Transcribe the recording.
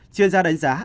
chuyên gia đánh giá